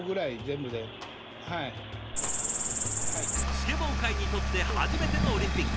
スケボー界にとって初めてのオリンピック。